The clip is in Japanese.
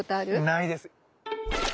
ないです。